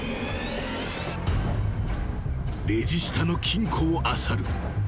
［レジ下の金庫をあさる］